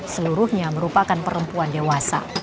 seluruhnya merupakan perempuan dewasa